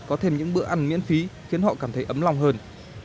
có thêm những bữa ăn miễn phí khiến họ cảm thấy ấm lòng hơn